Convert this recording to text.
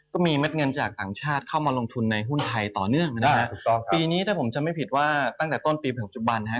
เม็ดเงินจากต่างชาติเข้ามาลงทุนในหุ้นไทยต่อเนื่องนะฮะถูกต้องปีนี้ถ้าผมจำไม่ผิดว่าตั้งแต่ต้นปีไปถึงจุบันนะฮะ